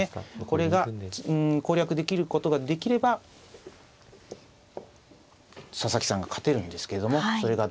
これが攻略できることができれば佐々木さんが勝てるんですけどもそれがどうか。